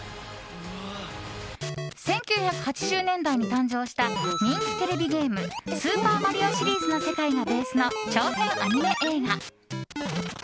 １９８０年代に誕生した人気テレビゲーム「スーパーマリオ」シリーズの世界がベースの長編アニメ映画。